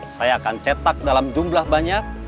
saya akan cetak dalam jumlah banyak